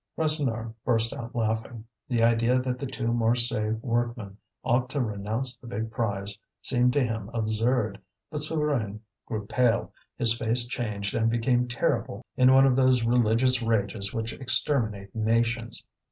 Rasseneur burst out laughing. The idea that the two Marseilles workmen ought to renounce the big prize seemed to him absurd. But Souvarine grew pale; his face changed and became terrible in one of those religious rages which exterminate nations.